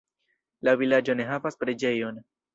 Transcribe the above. La vilaĝo ne havas preĝejon.